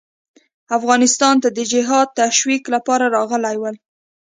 افغانستان ته د جهاد تشویق لپاره راغلي ول.